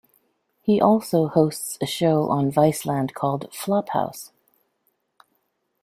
He also hosts a show on Viceland called Flophouse.